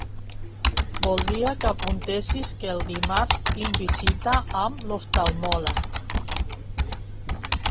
Voldria que apuntessis que el dimarts tinc visita amb l'oftalmòleg.